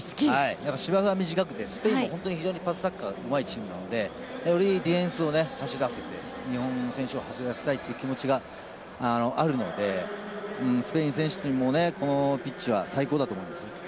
芝生は短くてスペインも本当に非常にパスサッカーうまいチームなんでよりディフェンスを走らせて日本の選手を走らせたいという気持ちがあるのでスペイン選手にもこのピッチは最高だと思います。